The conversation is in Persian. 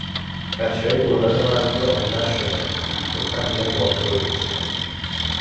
بچههای گردان ما هنوز آماده نشدن، گفتم بیام باهات خداحافظی کنم